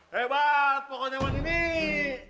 hebat pokoknya nini